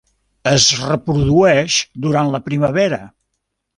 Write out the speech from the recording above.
Es reprodueix durant la primavera.